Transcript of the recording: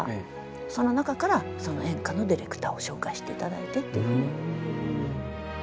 その中からその演歌のディレクターを紹介していただいてっていうふうに。